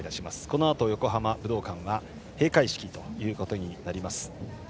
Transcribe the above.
このあと横浜武道館は閉会式となります。